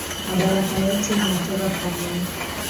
Madaraka yote inatoka kwa Mungu